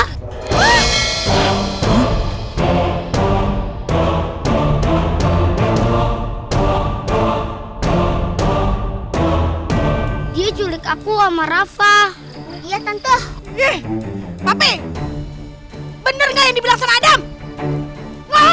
hai jujur aku ama rafa iya tentustell bandar yang dibel transported while